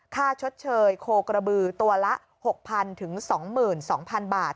ชดเชยโคกระบือตัวละ๖๐๐๐๒๒๐๐๐บาท